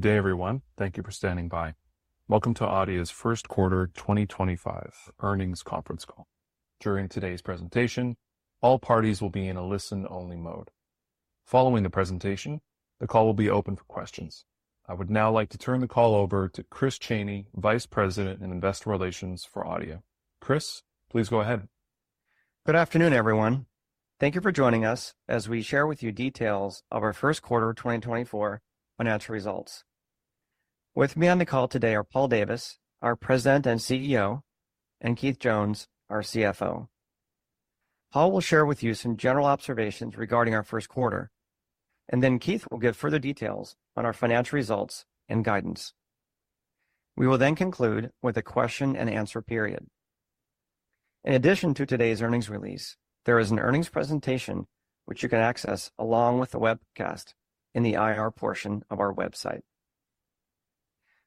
Good day, everyone. Thank you for standing by. Welcome to Adeia's First Quarter 2025 Earnings Conference Call. During today's presentation, all parties will be in a listen-only mode. Following the presentation, the call will be open for questions. I would now like to turn the call over to Chris Chaney, Vice President of Investor Relations for Adeia. Chris, please go ahead. Good afternoon, everyone. Thank you for joining us as we share with you details of our First Quarter 2024 financial results. With me on the call today are Paul Davis, our President and CEO, and Keith Jones, our CFO. Paul will share with you some general observations regarding our first quarter, and then Keith will give further details on our financial results and guidance. We will then conclude with a question-and-answer period. In addition to today's earnings release, there is an earnings presentation which you can access along with the webcast in the IR portion of our website.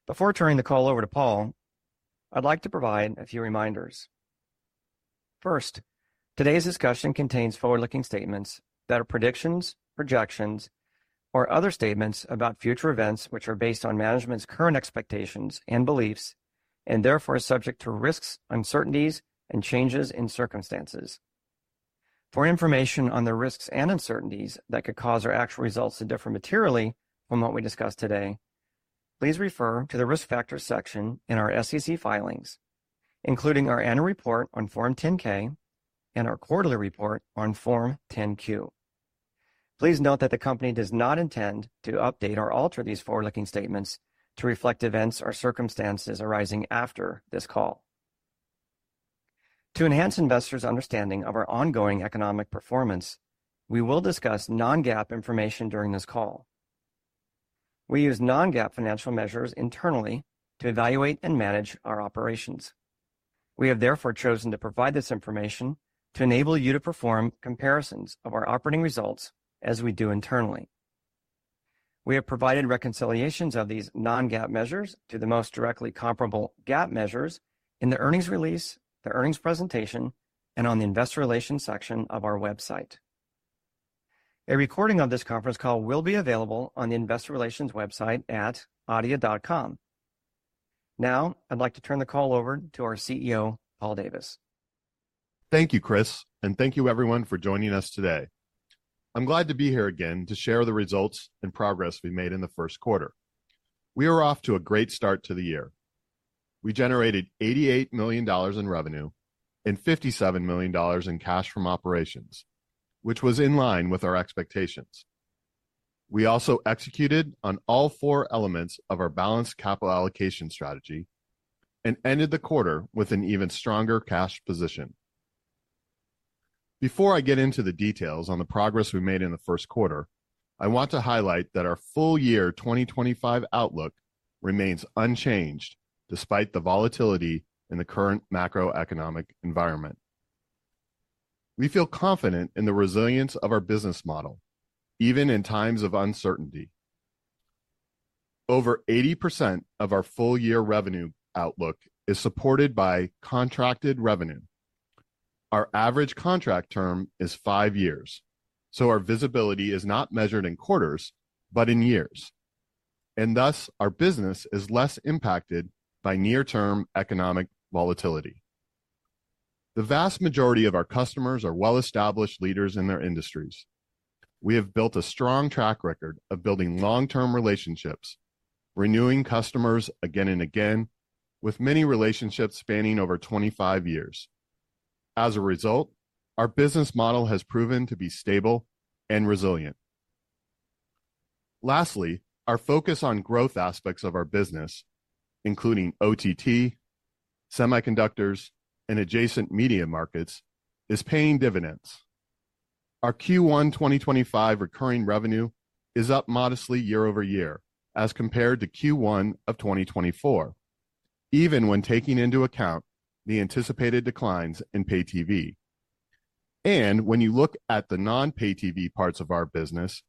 Before turning the call over to Paul, I'd like to provide a few reminders. First, today's discussion contains forward-looking statements that are predictions, projections, or other statements about future events which are based on management's current expectations and beliefs, and therefore are subject to risks, uncertainties, and changes in circumstances. For information on the risks and uncertainties that could cause our actual results to differ materially from what we discuss today, please refer to the risk factor section in our SEC filings, including our annual report on Form 10-K and our quarterly report on Form 10-Q. Please note that the company does not intend to update or alter these forward-looking statements to reflect events or circumstances arising after this call. To enhance investors' understanding of our ongoing economic performance, we will discuss non-GAAP information during this call. We use non-GAAP financial measures internally to evaluate and manage our operations. We have therefore chosen to provide this information to enable you to perform comparisons of our operating results as we do internally. We have provided reconciliations of these non-GAAP measures to the most directly comparable GAAP measures in the earnings release, the earnings presentation, and on the investor relations section of our website. A recording of this conference call will be available on the investor relations website at adeia.com. Now, I'd like to turn the call over to our CEO, Paul Davis. Thank you, Chris, and thank you, everyone, for joining us today. I'm glad to be here again to share the results and progress we made in the first quarter. We are off to a great start to the year. We generated $88 million in revenue and $57 million in cash from operations, which was in line with our expectations. We also executed on all four elements of our balanced capital allocation strategy and ended the quarter with an even stronger cash position. Before I get into the details on the progress we made in the first quarter, I want to highlight that our full year 2025 outlook remains unchanged despite the volatility in the current macroeconomic environment. We feel confident in the resilience of our business model, even in times of uncertainty. Over 80% of our full year revenue outlook is supported by contracted revenue. Our average contract term is five years, so our visibility is not measured in quarters, but in years, and thus our business is less impacted by near-term economic volatility. The vast majority of our customers are well-established leaders in their industries. We have built a strong track record of building long-term relationships, renewing customers again and again, with many relationships spanning over 25 years. As a result, our business model has proven to be stable and resilient. Lastly, our focus on growth aspects of our business, including OTT, semiconductors, and adjacent media markets, is paying dividends. Our Q1 2025 recurring revenue is up modestly year-over-year as compared to Q1 of 2024, even when taking into account the anticipated declines in Pay TV. When you look at the non-Pay TV parts of our business,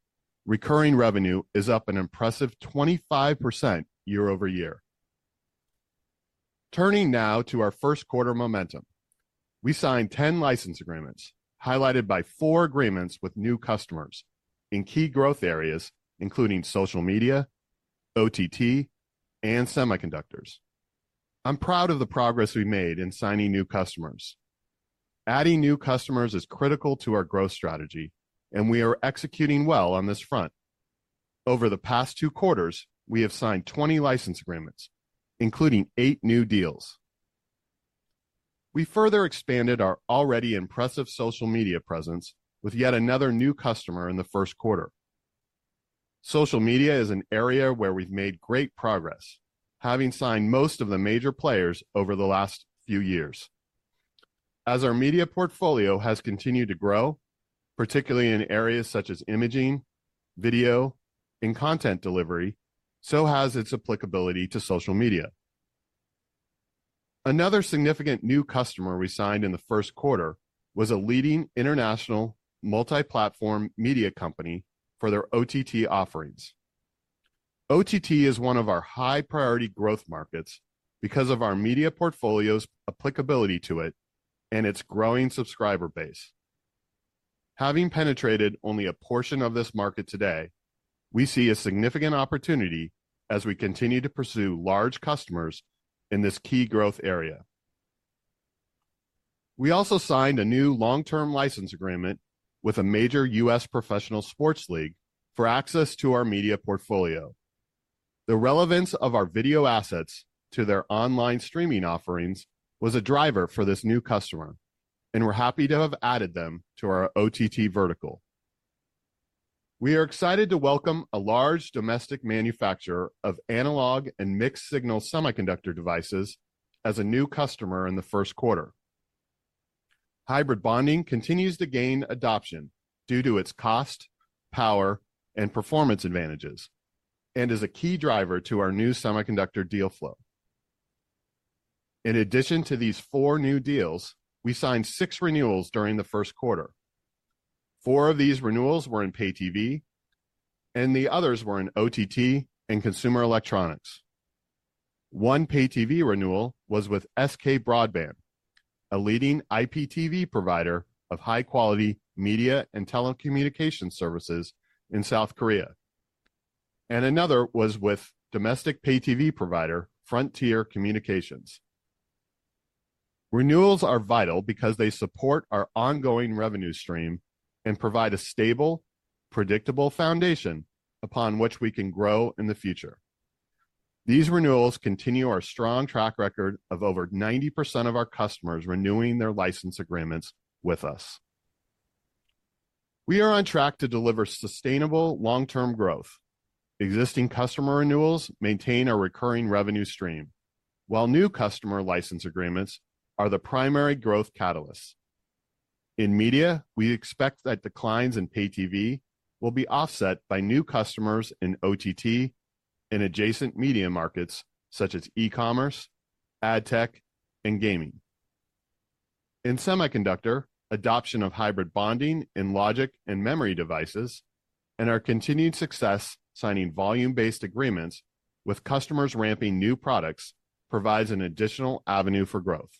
recurring revenue is up an impressive 25% year-over-year. Turning now to our first quarter momentum, we signed 10 license agreements, highlighted by four agreements with new customers in key growth areas, including social media, OTT, and semiconductors. I'm proud of the progress we made in signing new customers. Adding new customers is critical to our growth strategy, and we are executing well on this front. Over the past two quarters, we have signed 20 license agreements, including eight new deals. We further expanded our already impressive social media presence with yet another new customer in the first quarter. Social media is an area where we've made great progress, having signed most of the major players over the last few years. As our media portfolio has continued to grow, particularly in areas such as imaging, video, and content delivery, so has its applicability to social media. Another significant new customer we signed in the first quarter was a leading international multi-platform media company for their OTT offerings. OTT is one of our high-priority growth markets because of our media portfolio's applicability to it and its growing subscriber base. Having penetrated only a portion of this market today, we see a significant opportunity as we continue to pursue large customers in this key growth area. We also signed a new long-term license agreement with a major U.S. professional sports league for access to our media portfolio. The relevance of our video assets to their online streaming offerings was a driver for this new customer, and we're happy to have added them to our OTT vertical. We are excited to welcome a large domestic manufacturer of analog and mixed-signal semiconductor devices as a new customer in the first quarter. Hybrid bonding continues to gain adoption due to its cost, power, and performance advantages, and is a key driver to our new semiconductor deal flow. In addition to these four new deals, we signed six renewals during the first quarter. Four of these renewals were in Pay TV, and the others were in OTT and consumer electronics. One Pay TV renewal was with SK Broadband, a leading IPTV provider of high-quality media and telecommunications services in South Korea, and another was with domestic Pay TV provider Frontier Communications. Renewals are vital because they support our ongoing revenue stream and provide a stable, predictable foundation upon which we can grow in the future. These renewals continue our strong track record of over 90% of our customers renewing their license agreements with us. We are on track to deliver sustainable long-term growth. Existing customer renewals maintain a recurring revenue stream, while new customer license agreements are the primary growth catalysts. In media, we expect that declines in Pay TV will be offset by new customers in OTT and adjacent media markets such as e-commerce, ad tech, and gaming. In semiconductor, adoption of hybrid bonding in logic and memory devices and our continued success signing volume-based agreements with customers ramping new products provides an additional avenue for growth.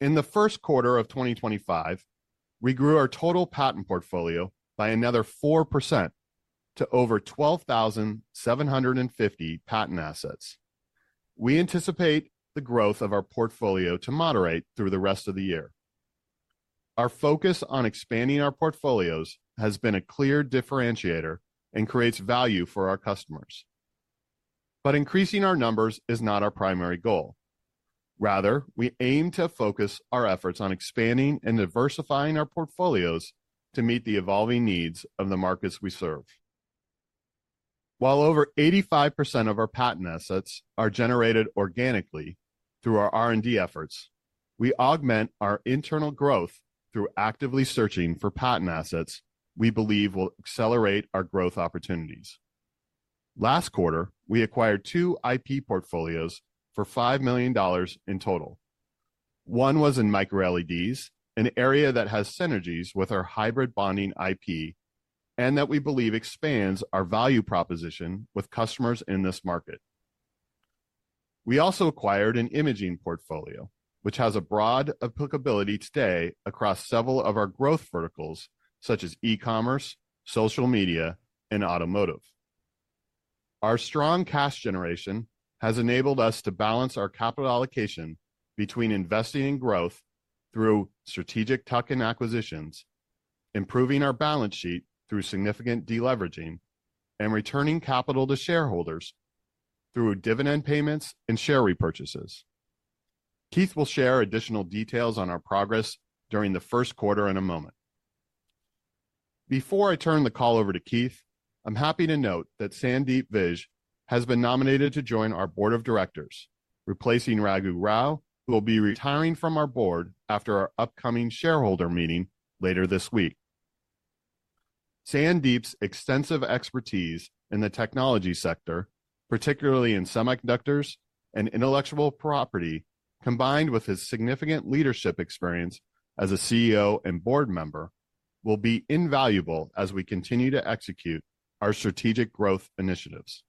In the first quarter of 2025, we grew our total patent portfolio by another 4% to over 12,750 patent assets. We anticipate the growth of our portfolio to moderate through the rest of the year. Our focus on expanding our portfolios has been a clear differentiator and creates value for our customers. Increasing our numbers is not our primary goal. Rather, we aim to focus our efforts on expanding and diversifying our portfolios to meet the evolving needs of the markets we serve. While over 85% of our patent assets are generated organically through our R&D efforts, we augment our internal growth through actively searching for patent assets we believe will accelerate our growth opportunities. Last quarter, we acquired two IP portfolios for $5 million in total. One was in micro-LEDs, an area that has synergies with our hybrid bonding IP and that we believe expands our value proposition with customers in this market. We also acquired an imaging portfolio, which has a broad applicability today across several of our growth verticals such as e-commerce, social media, and automotive. Our strong cash generation has enabled us to balance our capital allocation between investing in growth through strategic tuck-in acquisitions, improving our balance sheet through significant deleveraging, and returning capital to shareholders through dividend payments and share repurchases. Keith will share additional details on our progress during the first quarter in a moment. Before I turn the call over to Keith, I'm happy to note that Sandeep Vij has been nominated to join our board of directors, replacing Raghu Rau, who will be retiring from our board after our upcoming shareholder meeting later this week. Sandeep's extensive expertise in the technology sector, particularly in semiconductors and intellectual property, combined with his significant leadership experience as a CEO and board member, will be invaluable as we continue to execute our strategic growth initiatives.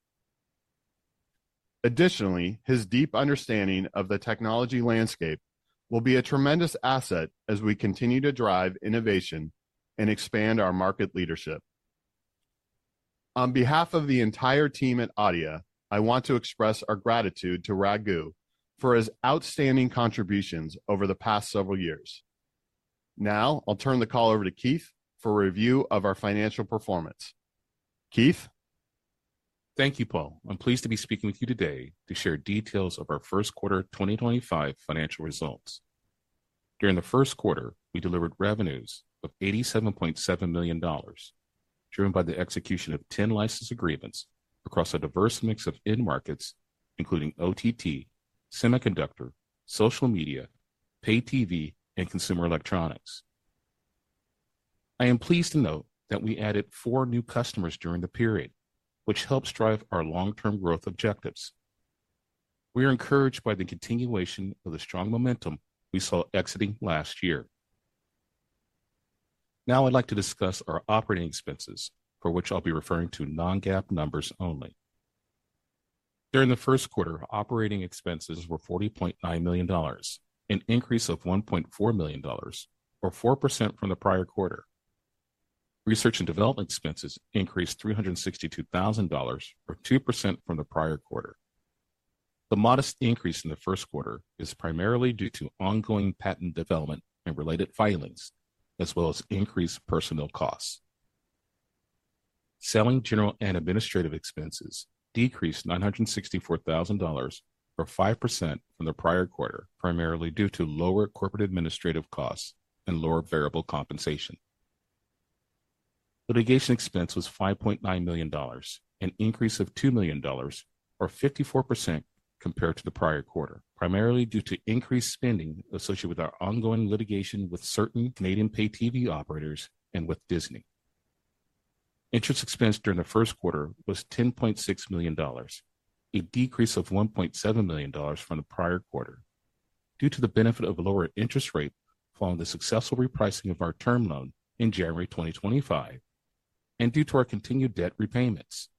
Additionally, his deep understanding of the technology landscape will be a tremendous asset as we continue to drive innovation and expand our market leadership. On behalf of the entire team at Adeia, I want to express our gratitude to Raghu for his outstanding contributions over the past several years. Now, I'll turn the call over to Keith for a review of our financial performance. Keith. Thank you, Paul. I'm pleased to be speaking with you today to share details of our first quarter 2025 financial results. During the first quarter, we delivered revenues of $87.7 million, driven by the execution of 10 license agreements across a diverse mix of end markets, including OTT, semiconductor, social media, Pay TV, and consumer electronics. I am pleased to note that we added four new customers during the period, which helps drive our long-term growth objectives. We are encouraged by the continuation of the strong momentum we saw exiting last year. Now, I'd like to discuss our operating expenses, for which I'll be referring to non-GAAP numbers only. During the first quarter, operating expenses were $40.9 million, an increase of $1.4 million, or 4% from the prior quarter. Research and development expenses increased $362,000, or 2% from the prior quarter. The modest increase in the first quarter is primarily due to ongoing patent development and related filings, as well as increased personnel costs. Selling, general and administrative expenses decreased $964,000, or 5% from the prior quarter, primarily due to lower corporate administrative costs and lower variable compensation. Litigation expense was $5.9 million, an increase of $2 million, or 54% compared to the prior quarter, primarily due to increased spending associated with our ongoing litigation with certain Canadian Pay TV operators and with Disney. Interest expense during the first quarter was $10.6 million, a decrease of $1.7 million from the prior quarter, due to the benefit of a lower interest rate following the successful repricing of our term loan in January 2025, and due to our continued debt repayments.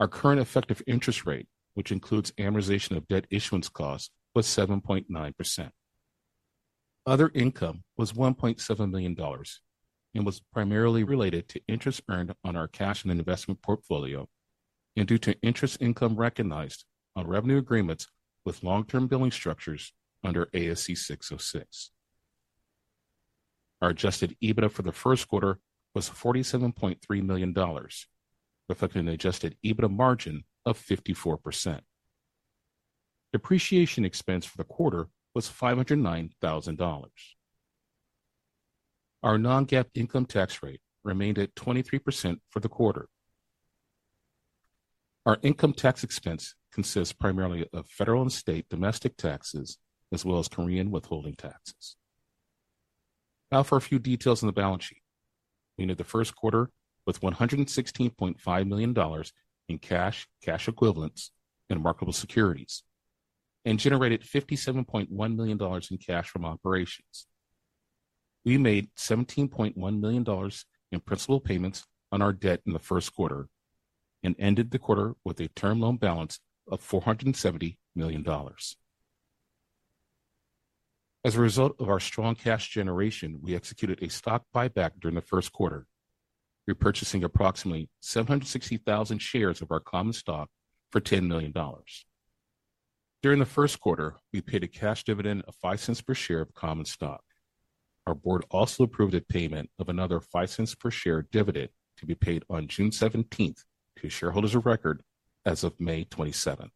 Our current effective interest rate, which includes amortization of debt issuance costs, was 7.9%. Other income was $1.7 million and was primarily related to interest earned on our cash and investment portfolio and due to interest income recognized on revenue agreements with long-term billing structures under ASC 606. Our adjusted EBITDA for the first quarter was $47.3 million, reflecting an adjusted EBITDA margin of 54%. Depreciation expense for the quarter was $509,000. Our non-GAAP income tax rate remained at 23% for the quarter. Our income tax expense consists primarily of federal and state domestic taxes, as well as Korean withholding taxes. Now for a few details on the balance sheet. We ended the first quarter with $116.5 million in cash, cash equivalents, and marketable securities, and generated $57.1 million in cash from operations. We made $17.1 million in principal payments on our debt in the first quarter and ended the quarter with a term loan balance of $470 million. As a result of our strong cash generation, we executed a stock buyback during the first quarter, repurchasing approximately 760,000 shares of our common stock for $10 million. During the first quarter, we paid a cash dividend of $0.05 per share of common stock. Our board also approved a payment of another $0.05 per share dividend to be paid on June 17th to shareholders of record as of May 27th.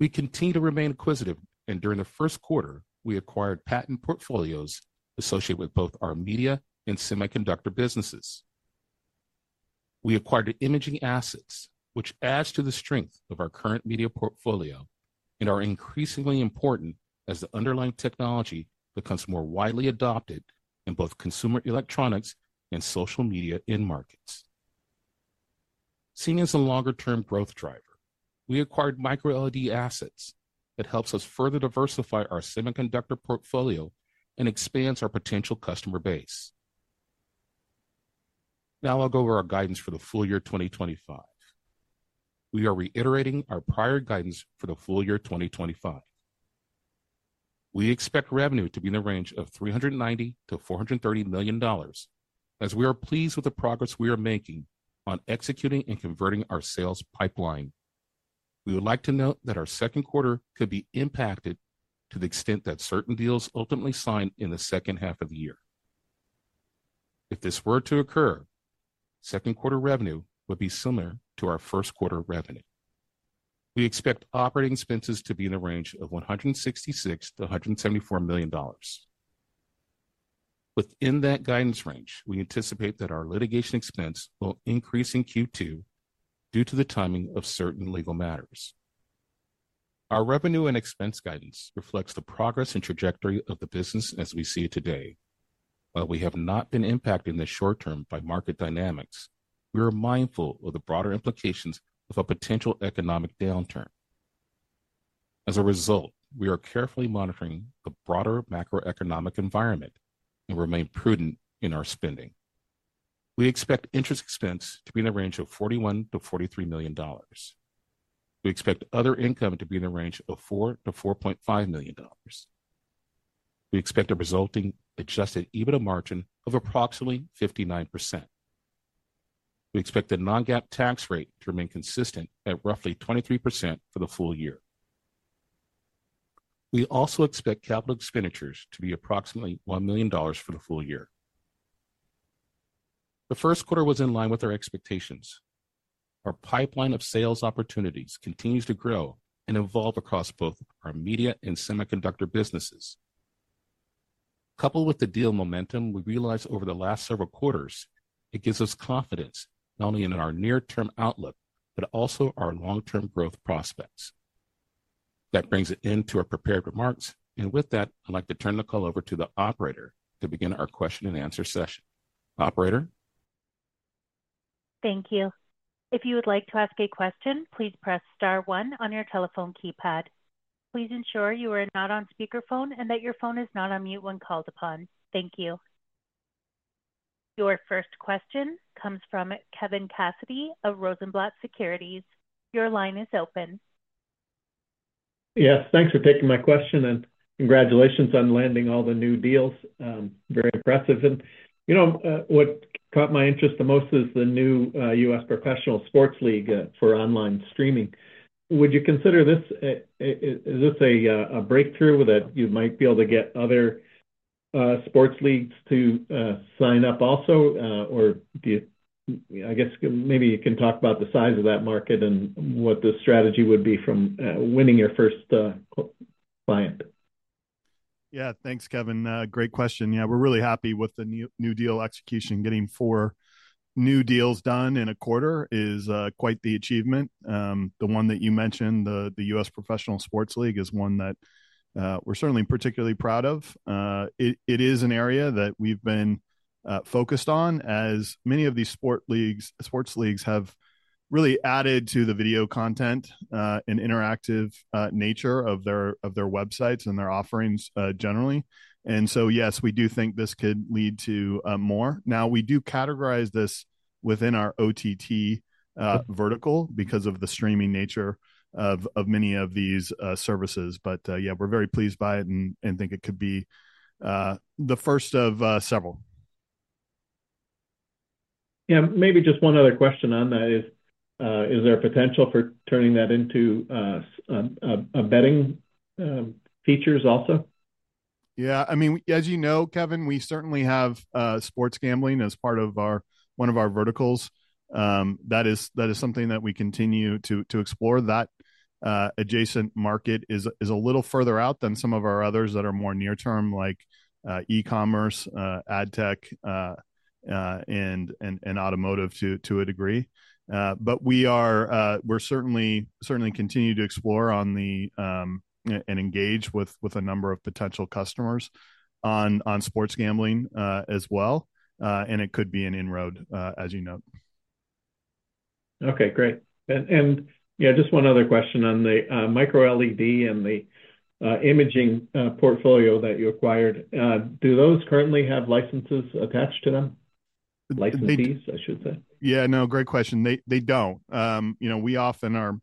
We continue to remain acquisitive, and during the first quarter, we acquired patent portfolios associated with both our media and semiconductor businesses. We acquired imaging assets, which adds to the strength of our current media portfolio and are increasingly important as the underlying technology becomes more widely adopted in both consumer electronics and social media end markets. Seen as a longer-term growth driver, we acquired micro-LED assets that helps us further diversify our semiconductor portfolio and expands our potential customer base. Now I'll go over our guidance for the full year 2025. We are reiterating our prior guidance for the full year 2025. We expect revenue to be in the range of $390 million-$430 million as we are pleased with the progress we are making on executing and converting our sales pipeline. We would like to note that our second quarter could be impacted to the extent that certain deals ultimately sign in the second half of the year. If this were to occur, second quarter revenue would be similar to our first quarter revenue. We expect operating expenses to be in the range of $166 million-$174 million. Within that guidance range, we anticipate that our litigation expense will increase in Q2 due to the timing of certain legal matters. Our revenue and expense guidance reflects the progress and trajectory of the business as we see it today. While we have not been impacted in the short term by market dynamics, we are mindful of the broader implications of a potential economic downturn. As a result, we are carefully monitoring the broader macroeconomic environment and remain prudent in our spending. We expect interest expense to be in the range of $41-$43 million. We expect other income to be in the range of $4-$4.5 million. We expect a resulting adjusted EBITDA margin of approximately 59%. We expect the non-GAAP tax rate to remain consistent at roughly 23% for the full year. We also expect capital expenditures to be approximately $1 million for the full year. The first quarter was in line with our expectations. Our pipeline of sales opportunities continues to grow and evolve across both our media and semiconductor businesses. Coupled with the deal momentum we realized over the last several quarters, it gives us confidence not only in our near-term outlook but also our long-term growth prospects. That brings it into our prepared remarks, and with that, I'd like to turn the call over to the operator to begin our question and answer session. Operator. Thank you. If you would like to ask a question, please press star 1 on your telephone keypad. Please ensure you are not on speakerphone and that your phone is not on mute when called upon. Thank you. Your first question comes from Kevin Cassidy of Rosenblatt Securities. Your line is open. Yes, thanks for taking my question and congratulations on landing all the new deals. Very impressive. You know what caught my interest the most is the new U.S. professional sports league for online streaming. Would you consider this a breakthrough that you might be able to get other sports leagues to sign up also, or do you, I guess maybe you can talk about the size of that market and what the strategy would be from winning your first client? Yeah, thanks, Kevin. Great question. Yeah, we're really happy with the new deal execution. Getting four new deals done in a quarter is quite the achievement. The one that you mentioned, the U.S. professional sports league, is one that we're certainly particularly proud of. It is an area that we've been focused on, as many of these sports leagues have really added to the video content and interactive nature of their websites and their offerings generally. Yes, we do think this could lead to more. We do categorize this within our OTT vertical because of the streaming nature of many of these services. Yeah, we're very pleased by it and think it could be the first of several. Yeah, maybe just one other question on that is, is there a potential for turning that into betting features also? Yeah, I mean, as you know, Kevin, we certainly have sports gambling as part of one of our verticals. That is something that we continue to explore. That adjacent market is a little further out than some of our others that are more near-term, like e-commerce, ad tech, and automotive to a degree. We are certainly continuing to explore and engage with a number of potential customers on sports gambling as well. It could be an in-road, as you know. Okay, great. Yeah, just one other question on the micro-LED and the imaging portfolio that you acquired. Do those currently have licenses attached to them? Licensees, I should say. Yeah, no, great question. They don't. You know, we often are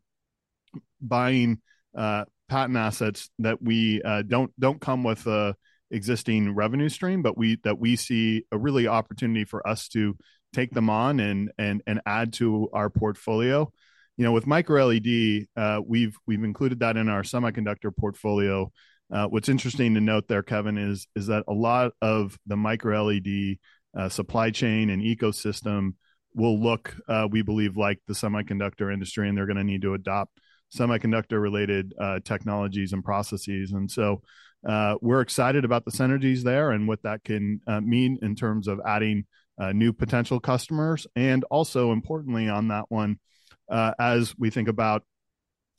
buying patent assets that don't come with an existing revenue stream, but that we see a really opportunity for us to take them on and add to our portfolio. You know, with micro-LED, we've included that in our semiconductor portfolio. What's interesting to note there, Kevin, is that a lot of the micro-LED supply chain and ecosystem will look, we believe, like the semiconductor industry, and they're going to need to adopt semiconductor-related technologies and processes. We are excited about the synergies there and what that can mean in terms of adding new potential customers. Also, importantly on that one, as we think about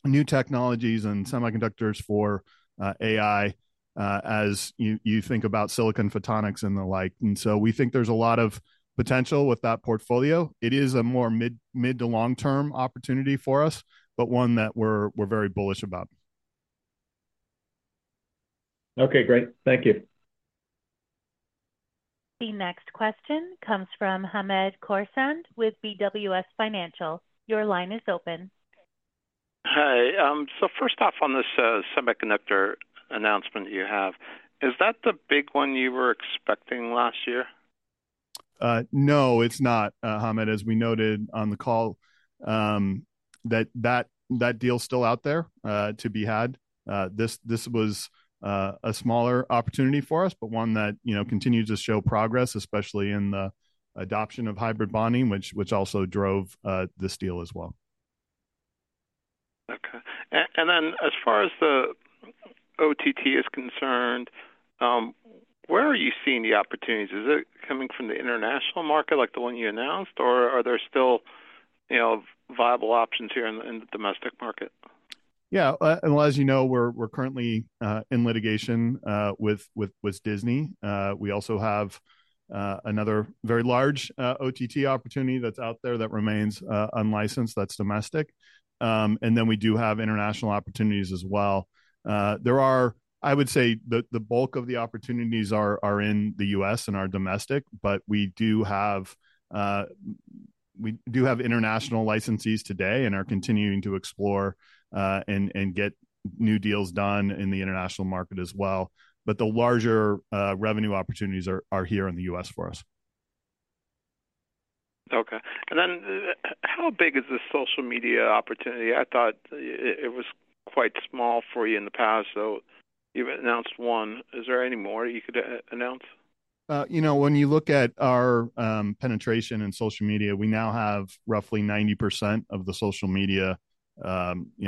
new technologies and semiconductors for AI, as you think about silicon photonics and the like. We think there's a lot of potential with that portfolio. It is a more mid to long-term opportunity for us, but one that we're very bullish about. Okay, great. Thank you. The next question comes from Hamed Khorsand with BWS Financial. Your line is open. Hi. First off, on this semiconductor announcement you have, is that the big one you were expecting last year? No, it's not, Hamed. As we noted on the call, that deal is still out there to be had. This was a smaller opportunity for us, but one that continues to show progress, especially in the adoption of hybrid bonding, which also drove this deal as well. Okay. As far as the OTT is concerned, where are you seeing the opportunities? Is it coming from the international market, like the one you announced, or are there still viable options here in the domestic market? Yeah, as you know, we're currently in litigation with Disney. We also have another very large OTT opportunity that's out there that remains unlicensed. That's domestic. We do have international opportunities as well. I would say the bulk of the opportunities are in the U.S. and are domestic, but we do have international licensees today and are continuing to explore and get new deals done in the international market as well. The larger revenue opportunities are here in the U.S. for us. Okay. How big is the social media opportunity? I thought it was quite small for you in the past, though you announced one. Is there any more you could announce? You know, when you look at our penetration in social media, we now have roughly 90% of the social media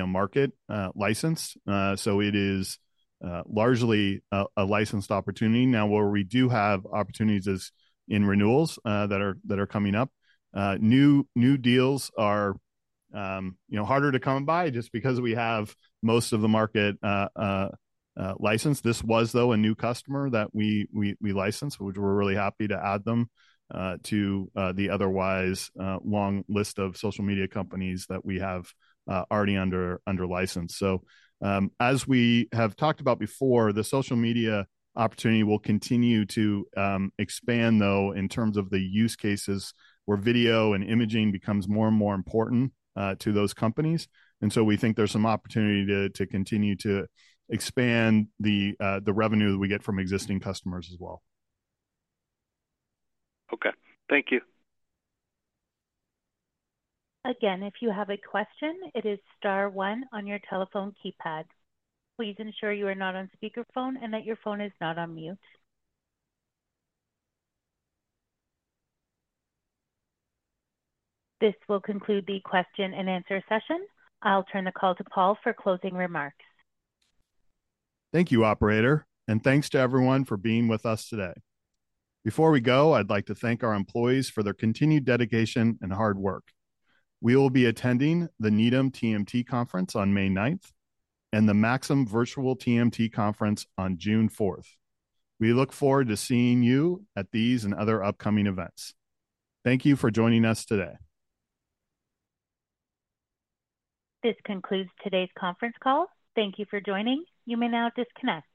market licensed. It is largely a licensed opportunity. Now, where we do have opportunities is in renewals that are coming up. New deals are harder to come by just because we have most of the market licensed. This was, though, a new customer that we licensed, which we're really happy to add them to the otherwise long list of social media companies that we have already under license. As we have talked about before, the social media opportunity will continue to expand, though, in terms of the use cases where video and imaging becomes more and more important to those companies. We think there's some opportunity to continue to expand the revenue that we get from existing customers as well. Okay. Thank you. Again, if you have a question, it is star one on your telephone keypad. Please ensure you are not on speakerphone and that your phone is not on mute. This will conclude the question and answer session. I'll turn the call to Paul for closing remarks. Thank you, Operator, and thanks to everyone for being with us today. Before we go, I'd like to thank our employees for their continued dedication and hard work. We will be attending the Needham TMT Conference on May 9 and the Maxim Virtual TMT Conference on June 4. We look forward to seeing you at these and other upcoming events. Thank you for joining us today. This concludes today's conference call. Thank you for joining. You may now disconnect.